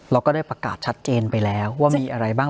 เราก็ได้ประกาศชัดเจนไปแล้วว่ามีอะไรบ้าง